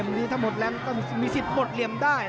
มีศิษฐ์มดลี่ยมได้